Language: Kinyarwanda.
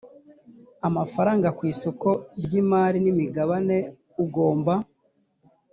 amafaranga ku isoko ry imari n imigabane ugomba